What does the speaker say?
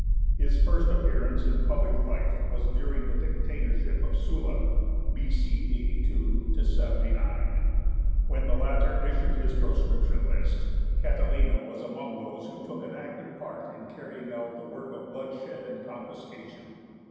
His first appearance in public life was during the dictatorship of Sulla (B.C. 82 79). When the latter issued his proscription list, Catilina was among those who took an active part in carrying out the work of bloodshed and confiscation.